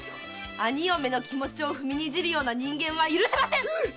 兄嫁の気持ち踏みにじるような人間は許せませんっ！